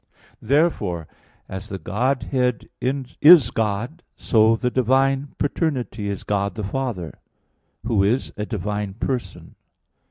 Therefore, as the Godhead is God so the divine paternity is God the Father, Who is a divine person.